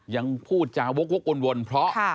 ยังพูดจาวกวนเพราะ